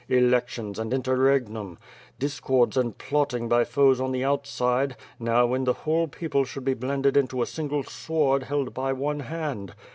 Elections and interregnum; discords and plotting by foes on the outside; now when the whole people should be blended into a single sword held by one hand.